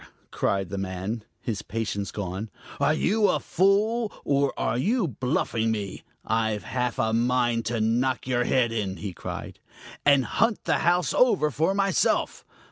cried the man, his patience gone. "Are you a fool, or are you bluffing me? I've half a mind to knock your head in," he cried, "and hunt the house over for myself!